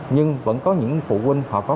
nhưng vẫn có những phụ huynh họ có